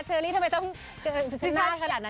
เชอรี่ทำไมต้องเชื่อหน้าขนาดนั้นค่ะ